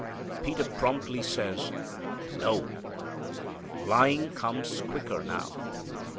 Peter promptly says, "No." Lying comes quicker now.